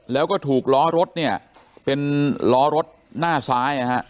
แล้วก็ถูกล้อรถเป็นล้อรถหน้าซ้าย